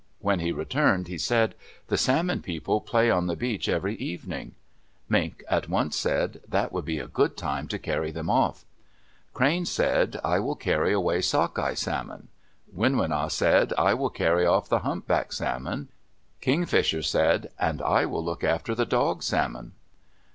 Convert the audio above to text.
When he returned, he said, "The Salmon People play on the beach every evening." Mink at once said, "That would be a good time to carry them off." Crane said, "I will carry away Sockeye Salmon." Winwina said, "I will carry off the Humpback Salmon." Kingfisher said, "And I will look after the Dog Salmon."